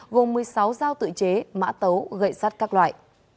gồm một mươi sáu dao tự chế mã tấu gậy sắt các loại